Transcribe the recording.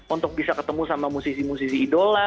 untuk bisa ketemu sama musisi musisi idola